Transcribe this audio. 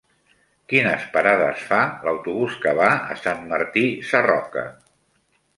Quines parades fa l'autobús que va a Sant Martí Sarroca?